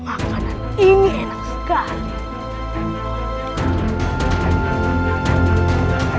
baiklah jangan asli roxie kurang miew